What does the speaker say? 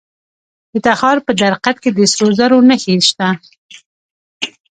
د تخار په درقد کې د سرو زرو نښې شته.